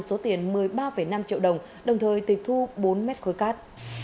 số tiền một mươi ba năm triệu đồng đồng thời tùy thu bốn mét khối cát